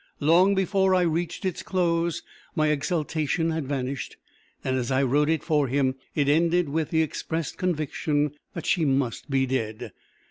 Long before I reached its close, my exultation had vanished, and, as I wrote it for him, it ended with the expressed conviction that she must be dead.